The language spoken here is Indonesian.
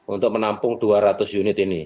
untuk menampung dua ratus unit ini